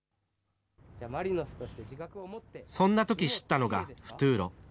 そんなとき知ったのがフトゥーロ。